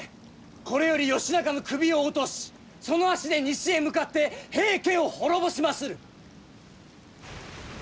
これより義仲の首を落としその足で西へ向かって平家を滅ぼしまする！